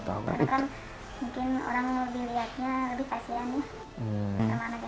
karena kan mungkin orang lebih liatnya lebih kasihan ya sama anak yang umur gitu